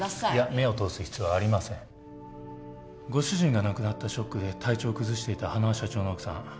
目を通す必要はありませんご主人が亡くなったショックで体調を崩していた塙社長の奥さん